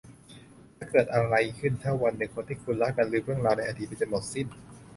จะเกิดอะไรขึ้นถ้าวันหนึ่งคนที่คุณรักดันลืมเรื่องราวในอดีตไปจนหมดสิ้น